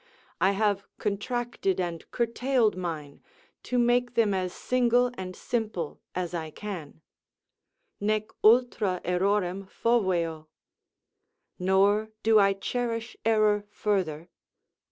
I have contracted and curtailed mine, to make them as single and as simple as I can: "Nec ultra Errorem foveo." ["Nor do I cherish error further."